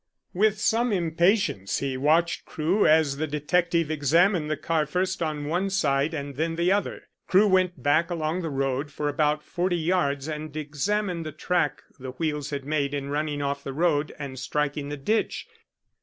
With some impatience he watched Crewe, as the detective examined the car first on one side and then the other. Crewe went back along the road for about forty yards and examined the track the wheels had made in running off the road and striking the ditch.